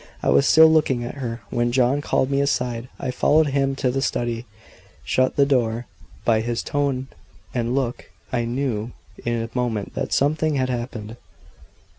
I was still looking at her, when John called me aside. I followed him to the study. "Shut the door." By his tone and look I knew in a moment that something had happened.